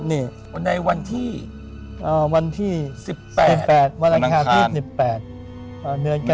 ในวันที่๑๘วันอันคา๒๘ปี๑๙๘๔หรือฮะ